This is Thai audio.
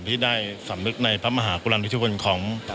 ที่ได้สำนึกในพระมหากุรรณวิทธิวรรณของ